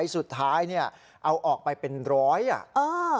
สุดท้ายเนี่ยเอาออกไปเป็นร้อยอ่ะเออ